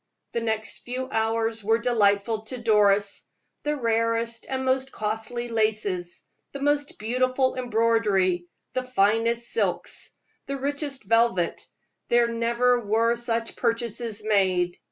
The next few hours were delightful to Doris. The rarest and most costly laces, the most beautiful embroidery, the finest silk, the richest velvet there never were such purchases made.